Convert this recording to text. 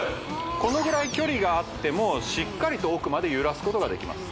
このぐらい距離があってもしっかりと奥まで揺らすことができます